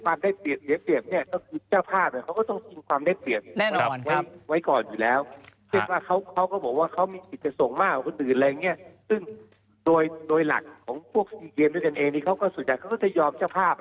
มันมันมันมันมันมันมันมันมันมันมันมันมันมันมันมันมันมัน